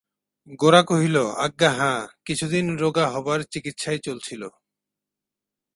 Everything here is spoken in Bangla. গোরা কহিল, আজ্ঞা হাঁ, কিছুদিন রোগা হবার চিকিৎসাই চলছিল।